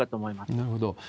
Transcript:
なるほど。